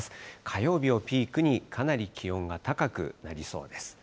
火曜日をピークに、かなり気温が高くなりそうです。